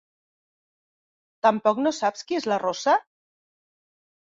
Tampoc no saps qui és la rossa?